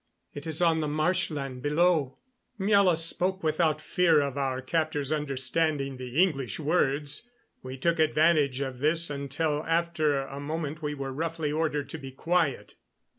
It is on the marshland below." Miela spoke without fear of our captors understanding the English words. We took advantage of this until after a moment we were roughly ordered to be quiet.